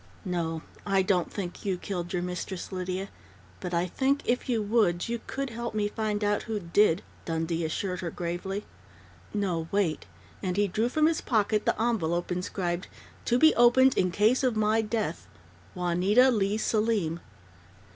"No, I don't think you killed your mistress, Lydia, but I think, if you would, you could help me find out who did," Dundee assured her gravely. "No, wait!" and he drew from his pocket the envelope inscribed: "To Be Opened In Case of My Death Juanita Leigh Selim."